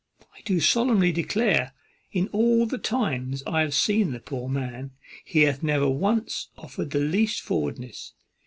I do solemnly declare, in all the times I have seen the poor man, he hath never once offered the least forwardness.